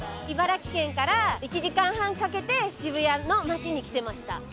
茨城県から１時間半かけて渋谷の街に来てました。